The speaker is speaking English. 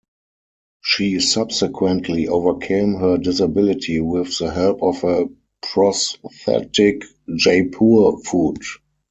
She subsequently overcame her disability with the help of a prosthetic Jaipur foot.